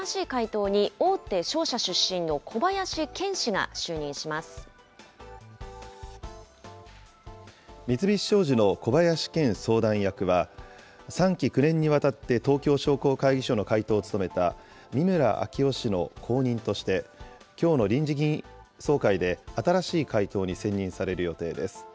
東京商工会議所の新しい会頭に、大手商社出身の小林健氏が就任し三菱商事の小林健相談役は、３期９年にわたって東京商工会議所の会頭を務めた三村明夫氏の後任として、きょうの臨時議員総会で新しい会頭に選任される予定です。